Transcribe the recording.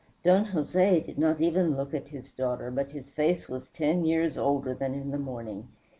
Don Jose did not even look at his daughter, but his face was ten years older than in the morning.